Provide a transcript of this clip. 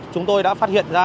chúng tôi đã phát hiện ra